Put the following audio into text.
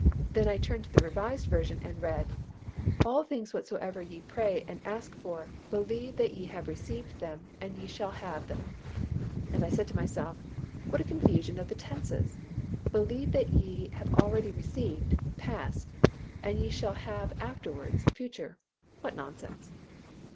Then I turned to the Revised Version and read, "All things whatsoever ye pray and ask for believe that ye have received them and ye shall have them." And I said to myself, "What a confusion of the tenses. Believe that ye have already received (past), and ye shall have afterwards (future). What nonsense."